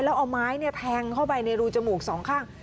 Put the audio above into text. แล้วเอาไม้แทงเข้าไปในรูจมูกสองข้าง